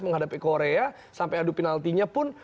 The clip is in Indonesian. menghadapi korea sampai adu penaltinya pun